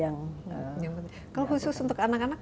yang penting kalau khusus untuk anak anak